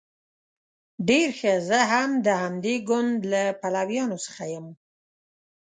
ډیر ښه زه هم د همدې ګوند له پلویانو څخه یم.